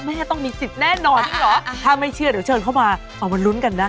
แม่ต้องมีสิทธิ์แน่นอนจริงเหรอถ้าไม่เชื่อเดี๋ยวเชิญเข้ามาเอามาลุ้นกันนะ